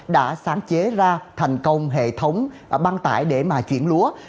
đã sáng chế ra thành công hệ thống băng tải để mà chuyển lúa